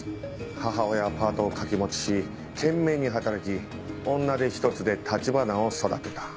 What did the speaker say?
母親はパートを掛け持ちし懸命に働き女手ひとつで橘を育てた。